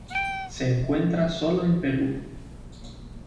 Se encuentra sólo en Perú.